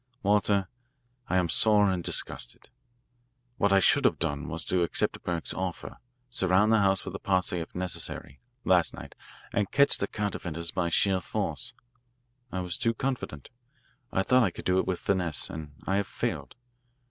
Walter, I am sore and disgusted. What I should have done was to accept Burke's offer surround the house with a posse if necessary, last night, and catch the counterfeiters by sheer force. I was too confident. I thought I could do it with finesse, and I have failed.